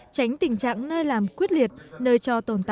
tránh tình trạng nơi làm quyết định